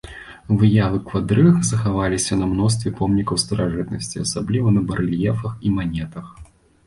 Выявы квадрыг захаваліся на мностве помнікаў старажытнасці, асабліва на барэльефах і манетах.